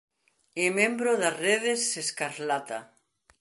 É membro das Redes Escarlata.